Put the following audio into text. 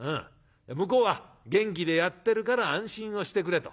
向こうは元気でやってるから安心をしてくれと。